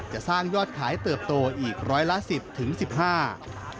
จะสร้างยอดขายเติบโตอีกร้อยละ๑๐๑๕บาท